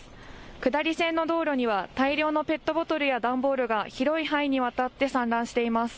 下り線の道路には大量のペットボトルや段ボールが広い範囲にわたって散乱しています。